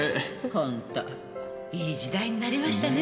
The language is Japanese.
本当いい時代になりましたねぇ。